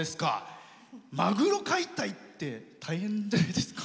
マグロ解体って大変じゃないですか。